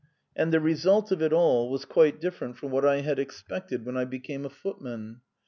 And the result of it all was quite different from what I had expected when I became a footman.